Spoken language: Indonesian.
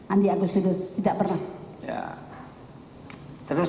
andi agustinus tidak pernah